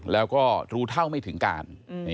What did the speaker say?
แล้วก็รู้เท่าไม่ถึงการ